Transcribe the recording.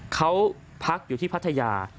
เขาพักอยู่ที่พัทยา